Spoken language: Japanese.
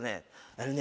あのね